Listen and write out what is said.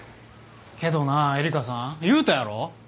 けどなえりかさん言うたやろ？